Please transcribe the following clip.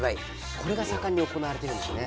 これが盛んに行われているんですね。